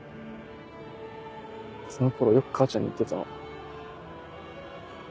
その頃よく母ちゃんに言ってたの。